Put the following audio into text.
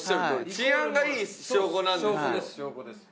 治安がいい証拠なんですよ。